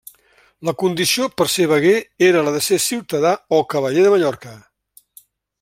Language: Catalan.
La condició per ser veguer era la de ser ciutadà o cavaller de Mallorca.